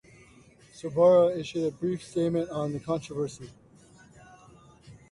Sorbara issued a brief statement on the controversy.